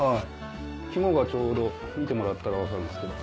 肝がちょうど見てもらったら分かるんですけど。